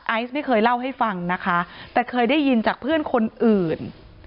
ไม่เคยเล่าให้ฟังนะคะแต่เคยได้ยินจากเพื่อนคนอื่น